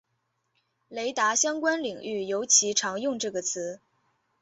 雷达相关领域尤其常用这个词。